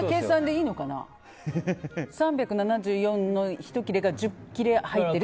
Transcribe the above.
３７４の１切れが１０切れ入ってるって。